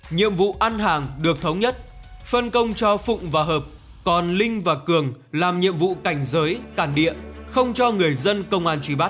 nhiệm vụ ăn hàng được thống nhất phân công cho phụng và hợp còn linh và cường làm nhiệm vụ cảnh giới càn địa không cho người dân công an truy bắt